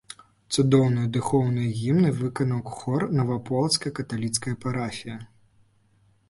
Цудоўныя духоўныя гімны выканаў хор наваполацкае каталіцкае парафіі.